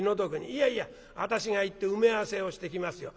いやいや私が行って埋め合わせをしてきますよ。